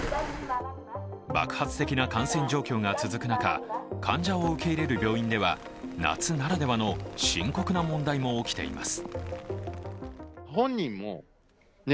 爆発的な感染状況が続く中患者を受け入れる病院では夏ならではの深刻な問題も起きています。